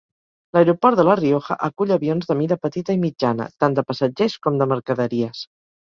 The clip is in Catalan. L'aeroport de la Rioja acull avions de mida petita i mitjana, tant de passatgers com de mercaderies.